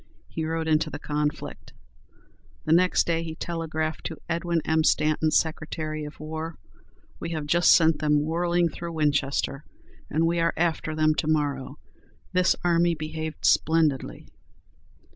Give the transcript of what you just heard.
he rode into the conflict. The next day he telegraphed to Edwin M. Stanton, Secretary of War, "We have just sent them whirling through Winchester, and we are after them to morrow. This army behaved splendidly."